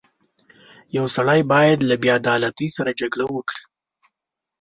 • یو سړی باید له بېعدالتۍ سره جګړه وکړي.